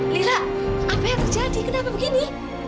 lila apa yang terjadi kenapa begini